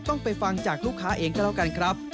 ต้องไปฟังจากลูกค้าเองก็แล้วกันครับ